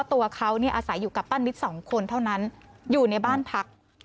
ตรงนั้นอยู่ในบ้านพัก